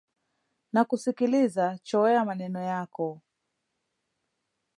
Nakusikiliza chowea maneno yako.